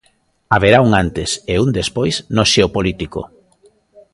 Haberá un antes e un despois no xeopolítico.